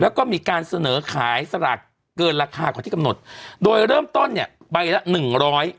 แล้วก็มีการเสนอขายสลากเกินราคากว่าที่กำหนดโดยเริ่มต้นเนี่ยใบละหนึ่งร้อย